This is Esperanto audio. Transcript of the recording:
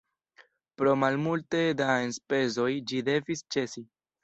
Pro malmulte da enspezoj ĝi devis ĉesi.